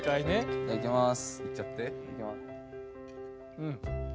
いただきます。